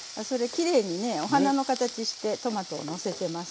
きれいにねお花の形してトマトをのせてます。